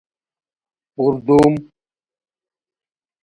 پردوم